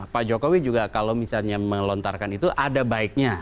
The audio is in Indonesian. pak jokowi juga kalau misalnya melontarkan itu ada baiknya